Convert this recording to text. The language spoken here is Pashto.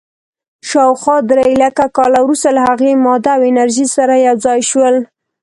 شاوخوا درېلکه کاله وروسته له هغې، ماده او انرژي سره یو ځای شول.